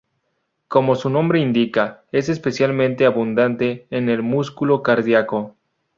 Como su nombre indica, es especialmente abundante en el músculo cardíaco.